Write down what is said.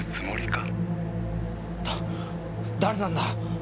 だ誰なんだ！？